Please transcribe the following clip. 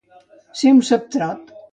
Ser un ceptrot.